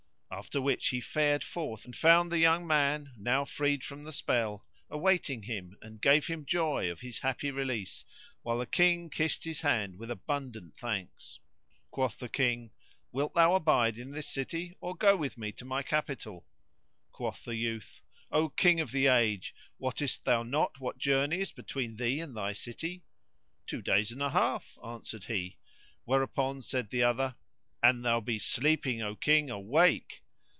After which he fared forth and found the young man, now freed from the spell, awaiting him and gave him joy of his happy release while the Prince kissed his hand with abundant thanks. Quoth the King, "Wilt thou abide in this city or go with me to my capital?" Quoth the youth, "O King of the age, wottest thou not what journey is between thee and thy city?" "Two days and a half," answered he, whereupon said the other, "An thou be sleeping, O King, awake!